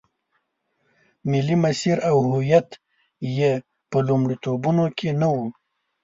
ملي مسیر او هویت یې په لومړیتوبونو کې نه و.